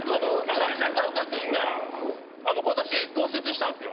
だから中岡君が今年骨折したんですよ。